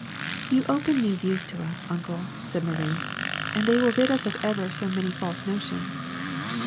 '* *^You open new views to us, Uncle,'' said Marie, '*and they will rid us of ever so many false notions.''